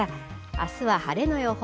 あすは晴れの予報。